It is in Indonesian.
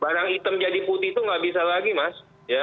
barang hitam jadi putih itu nggak bisa lagi mas